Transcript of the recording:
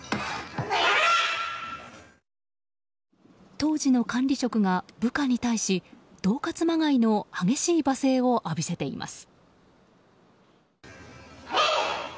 当時の管理職が部下に対し恫喝まがいの激しい罵声を浴びせています。